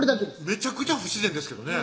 めちゃくちゃ不自然ですけどね